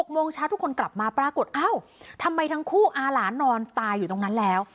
โมงเช้าทุกคนกลับมาปรากฏเอ้าทำไมทั้งคู่อาหลานนอนตายอยู่ตรงนั้นแล้ว